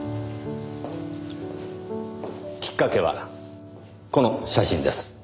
きっかけはこの写真です。